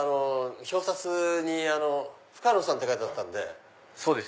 表札に深野さんって書いてあったんで。